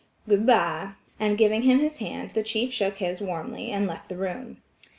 "Good bye," and giving him his hand, the chief shook his warmly, and left the room."